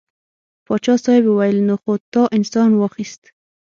پاچا صاحب وویل نو خو تا انسان واخیست.